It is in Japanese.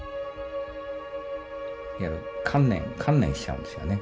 いわゆる観念観念しちゃうんですよね。